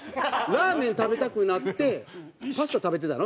ラーメン食べたくなってパスタ食べてたの？